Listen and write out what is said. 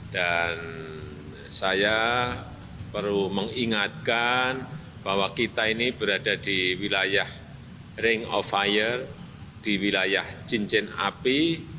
dan saya perlu mengingatkan bahwa kita ini berada di wilayah ring of fire di wilayah cincin api